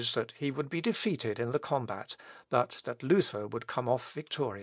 that he would be defeated in the combat, but that Luther would come off victorious.